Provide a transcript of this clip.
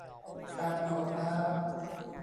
การกรวดน้ำ